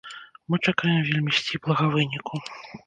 Мы чакаем вельмі сціплага выніку.